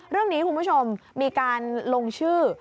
เรื่องนี้คุณผู้ชมมีการลงชื่อ